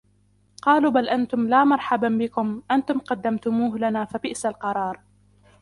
قالوا بل أنتم لا مرحبا بكم أنتم قدمتموه لنا فبئس القرار